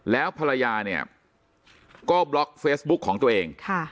แล้วภรรยาเนี่ยก็บล็อกเฟซบุ๊กของตัวเอง